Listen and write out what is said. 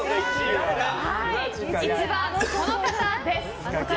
１番はこの方です。